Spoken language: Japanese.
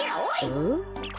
うん？